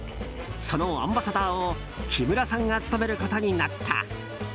そのアンバサダーを木村さんが務めることになった。